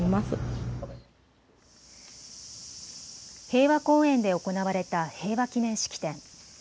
平和公園で行われた平和記念式典。